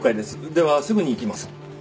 ではすぐに行きます。